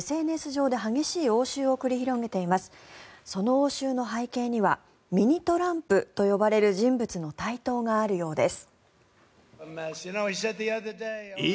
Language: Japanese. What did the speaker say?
その応酬の背景にはミニ・トランプと呼ばれる人物の台頭があるようです。